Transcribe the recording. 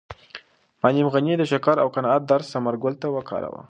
معلم غني د شکر او قناعت درس ثمرګل ته ورکاوه.